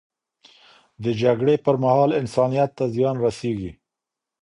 د جګړې پر مهال، انسانیت ته زیان رسیږي.